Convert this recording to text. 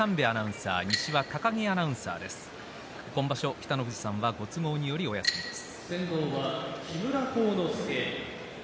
北の富士さんはご都合によりお休みです。